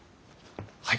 はい。